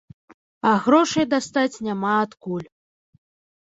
А грошай дастаць няма адкуль.